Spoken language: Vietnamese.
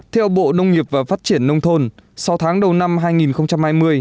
theo bộ nông nghiệp và phát triển nông thôn sau tháng đầu năm hai nghìn hai mươi